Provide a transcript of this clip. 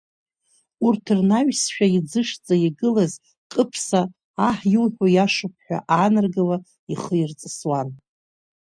Урҭ рнаҩсшәа иӡышӡа игылаз Кыԥса, аҳ иуҳәо иашоуп ҳәа аанаргауа, ихы ирҵысуан.